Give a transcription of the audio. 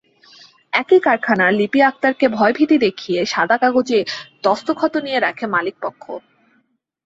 একই কারখানার লিপি আক্তারকে ভয়ভীতি দেখিয়ে সাদা কাগজে দস্তখত নিয়ে রাখে মালিকপক্ষ।